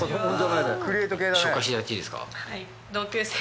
紹介して頂いていいですか？